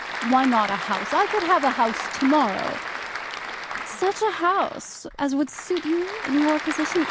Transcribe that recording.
"Why not a house? I could have a house to morrow." "Such a house as would suit you in your position?